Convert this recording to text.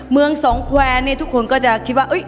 เมืองสองแควร์เนี่ยทุกคนก็จะคิดว่า